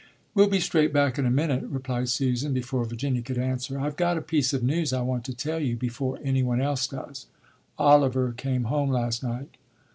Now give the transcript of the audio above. "We'll be straight back in a minute," replied Susan before Virginia could answer. "I've got a piece of news I want to tell you before any one else does. Oliver came home last night."